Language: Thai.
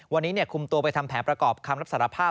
วันนี้คุมตัวไปทำแผนประกอบคำรับสารภาพ